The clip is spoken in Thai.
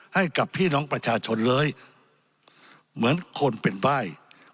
ให้กับพี่น้องประชาชนเลยเหมือนคนเป็นใบ้